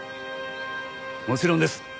もちろんです。